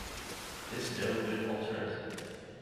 This no good alternative.